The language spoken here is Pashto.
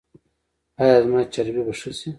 ایا زما چربي به ښه شي؟